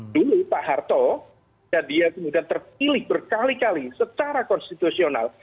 dulu pak harto dan dia kemudian terpilih berkali kali secara konstitusional